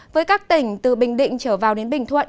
với các tỉnh từ bình định trở vào đến bình thuận